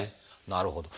なるほど。